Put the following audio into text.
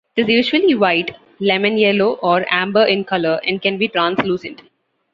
It is usually white, lemon yellow, or amber in color, and can be translucent.